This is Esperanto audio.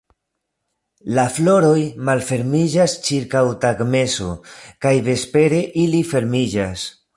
La floroj malfermiĝas ĉirkaŭ tagmezo kaj vespere ili fermiĝas.